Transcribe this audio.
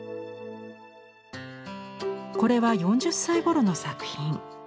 これは４０歳頃の作品。